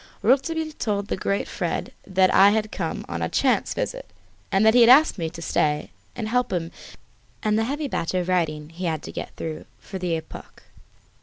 Rouletabille told the great Fred that I had come on a chance visit, and that he had asked me to stay and help him in the heavy batch of writing he had to get through for the "Epoque."